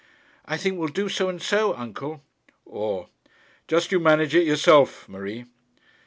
'I think we'll do so and so, uncle;' or, 'Just you manage it yourself, Marie.'